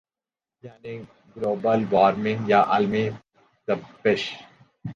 یعنی global warming یا عالمی تپش